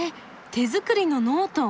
手作りのノート。